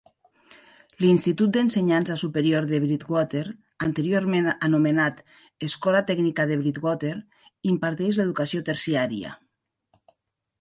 L'institut d'ensenyança superior de Bridgwater, anteriorment anomenat Escola Tècnica de Bridgwater, imparteix l'educació terciària.